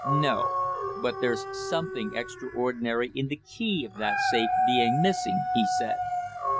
"No. But there's something extraordinary in the key of that safe being missing," he said.